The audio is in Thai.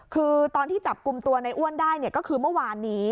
คือตอนที่จับกลุ่มตัวในอ้วนได้ก็คือเมื่อวานนี้